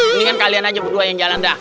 ini kan kalian aja berdua yang jalan dah